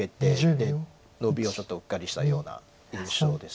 でノビをちょっとうっかりしたような印象です。